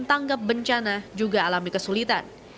tanggap bencana juga alami kesulitan